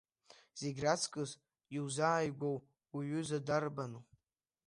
Зегь раҵкыс иузааигәоу уҩыза дарбану?